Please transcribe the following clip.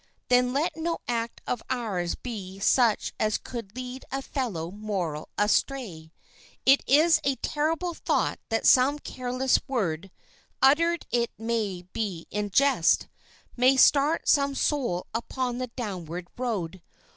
Then let no act of ours be such as could lead a fellow mortal astray. It is a terrible thought that some careless word, uttered it may be in jest, may start some soul upon the downward road.